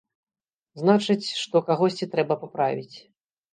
Значыць, што кагосьці трэба паправіць.